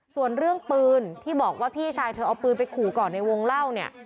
ส่วนเรื่องปืนที่บอกว่าพี่ชายเธอเอาปืนไปขู่ก่อนในวงเล่าเนี่ย